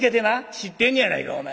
「知ってんねやないかいお前。